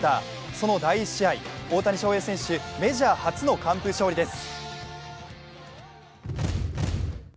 その第１試合、大谷翔平選手、メジャー初の完封勝利です。